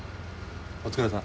お疲れさん。